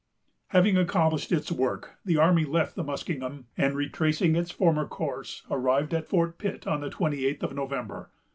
Having accomplished its work, the army left the Muskingum, and, retracing its former course, arrived at Fort Pitt on the twenty eighth of November.